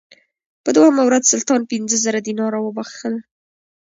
په دوهمه ورځ سلطان پنځه زره دیناره راوبخښل.